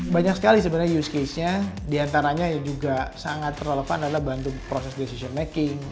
banyak sekali sebenarnya use case nya diantaranya juga sangat relevan adalah bantu proses decision making